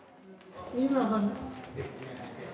井村さん。